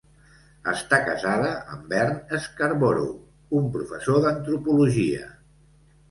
Està casada amb Vern Scarborough, un professor d'antropologia.